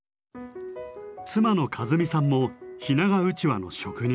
妻の和美さんも日永うちわの職人。